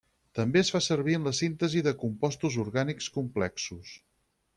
També es fa servir en la síntesi de compostos orgànics complexos.